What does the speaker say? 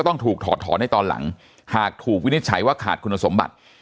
ต้องถูกถอดถอนในตอนหลังหากถูกวินิจฉัยว่าขาดคุณสมบัติ